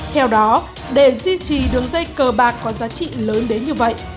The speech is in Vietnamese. theo đó để duy trì đường dây cờ bạc có giá trị lớn đến như vậy